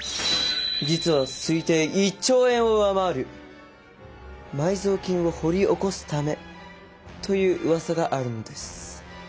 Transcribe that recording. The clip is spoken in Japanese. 実は推定１兆円を上回る埋蔵金を掘り起こすためといううわさがあるのです。